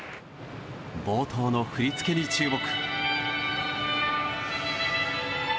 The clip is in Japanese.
冒頭の振り付けに注目。